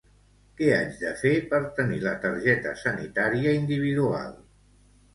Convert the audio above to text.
Què haig de fer per tenir la Targeta Sanitària Individual?